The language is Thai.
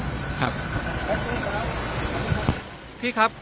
พี่มีอะไรจะพูดกับเหตุการณ์ที่เกิดขึ้นไหมครับ